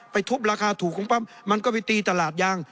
ทุบราคาถูกของปั๊มมันก็ไปตีตลาดยาง